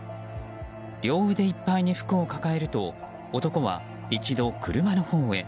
両腕いっぱいに服を抱えると男は一度、車のほうへ。